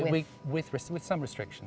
tapi dengan beberapa restriksi